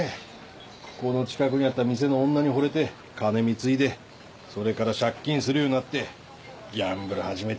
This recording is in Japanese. ここの近くにあった店の女にほれて金貢いでそれから借金するようになってギャンブル始めて。